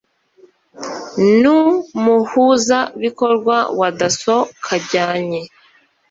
n umuhuzabikorwa wa dasso kajyanye